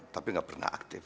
tapi gak pernah aktif